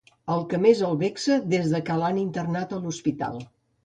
El que més el vexa des que l'han internat a l'hospital.